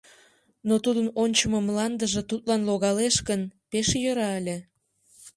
Но тудын ончымо мландыже тудлан логалеш гын, пеш йӧра ыле.